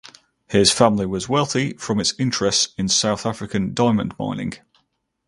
His family was wealthy from its interests in South African diamond mining.